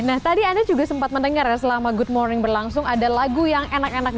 nah tadi anda juga sempat mendengar ya selama good morning berlangsung ada lagu yang enak enak